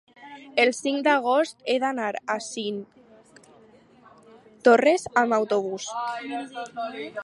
El cinc d'agost he d'anar a Cinctorres amb autobús.